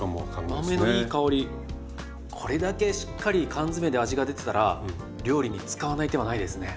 これだけしっかり缶詰で味が出てたら料理に使わない手はないですね。